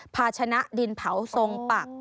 ภาชนะดินเผาทรงปัก